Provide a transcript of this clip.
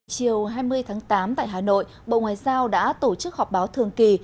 chiều hai mươi tháng tám tại hà nội bộ ngoại giao đã tổ chức họp báo thường kỳ